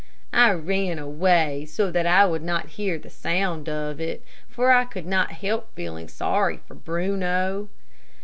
I ran away so that I would not hear the sound of it, for I could not help feeling sorry for Bruno.